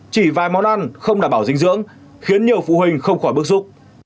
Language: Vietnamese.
chỉ vài món ăn không đảm bảo dinh dưỡng khiến nhiều phụ huynh không khỏi bức xúc